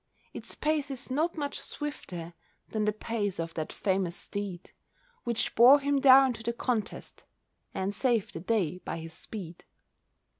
Its pace is not much swifter Than the pace of that famous steed Which bore him down to the contest And saved the day by his speed.